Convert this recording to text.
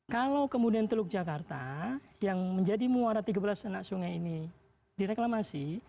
kalau kemudian teluk jakarta yang menjadi muara tiga belas anak sungai ini direklamasi